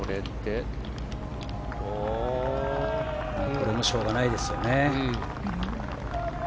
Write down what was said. これもしょうがないですよね。